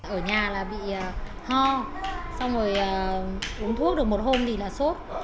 ở nhà là bị ho xong rồi uống thuốc được một hôm thì là sốt